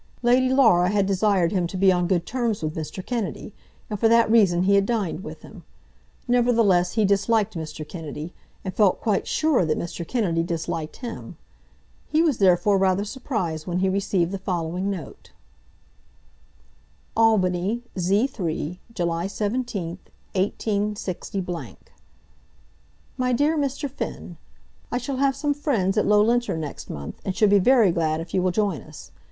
Lady Laura had desired him to be on good terms with Mr. Kennedy, and for that reason he had dined with him. Nevertheless he disliked Mr. Kennedy, and felt quite sure that Mr. Kennedy disliked him. He was therefore rather surprised when he received the following note: Albany, Z 3, July 17, 186 . MY DEAR MR. FINN, I shall have some friends at Loughlinter next month, and should be very glad if you will join us.